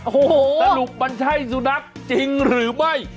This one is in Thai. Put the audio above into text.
โอ้โฮในตรวจจริงหรือไม่